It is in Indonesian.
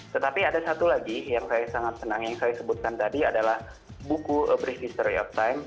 tetapi ada satu lagi yang saya sangat senang yang saya sebutkan tadi adalah buku brie history of time